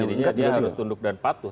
jadinya dia harus tunduk dan patuh